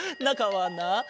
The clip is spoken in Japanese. なかはな